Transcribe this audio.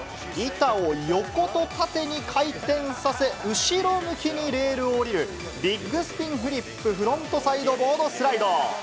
板を横と縦に回転させ、後ろ向きにレールを降りる、ビッグスピンフリップフロントサイドボードスライド。